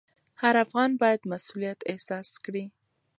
هر افغان باید مسوولیت احساس کړي.